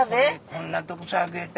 こんなとこさ上げた？